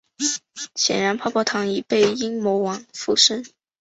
显然泡泡糖已被阴魔王附身。